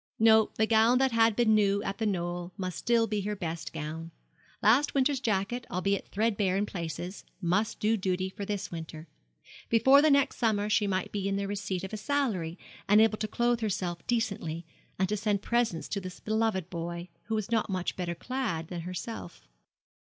No, the gown that had been new at The Knoll must still be her best gown. Last winter's jacket, albeit threadbare in places, must do duty for this winter. Before the next summer she might be in the receipt of a salary and able to clothe herself decently, and to send presents to this beloved boy, who was not much better clad than herself.